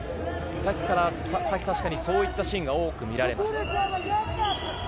先程からそういったシーンが多く見られます。